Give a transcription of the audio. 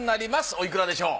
おいくらでしょう？